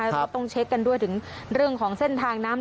ก็ต้องเช็คกันด้วยถึงเรื่องของเส้นทางน้ำ